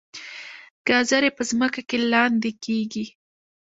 ګازرې په ځمکه کې لاندې کیږي